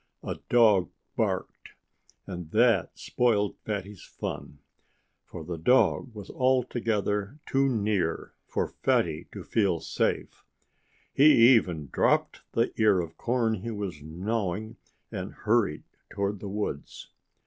A dog barked. And that spoiled Fatty's fun. For the dog was altogether too near for Fatty to feel safe. He even dropped the ear of corn he was gnawing and hurried toward the woods.